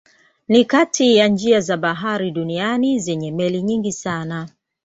Ni kati ya njia za bahari duniani zenye meli nyingi sana.